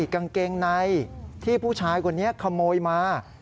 กางเกงในที่ผู้ชายคนนี้ขโมยมา